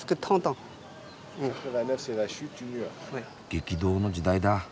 激動の時代だ。